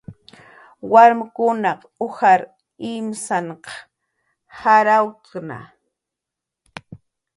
Warmkunaq ujar imsanq jarawuktna